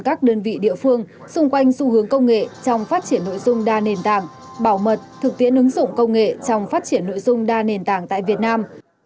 các đơn vị địa phương xung quanh xu hướng công nghệ trong phát triển nội dung đa nền tảng bảo mật thực tiễn ứng dụng công nghệ trong phát triển nội dung đa nền tảng tại việt nam